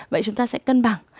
vậy chúng ta sẽ cân bằng